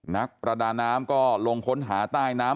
นักประดาน้ำก็ลงค้นหาใต้น้ำ